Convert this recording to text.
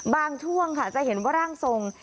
ช่วงค่ะจะเห็นว่าร่างทรง